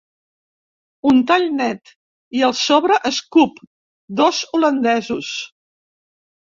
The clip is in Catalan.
Un tall net i el sobre escup dos holandesos.